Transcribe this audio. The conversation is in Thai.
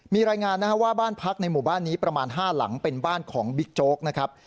มีรายงานนะครับว่าบ้านพักในหมู่บ้านนี้ประมาณ๕หลังเป็นบ้านของบิ๊กโจ๊กนะครับ